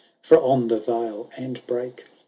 for on the vale and brake.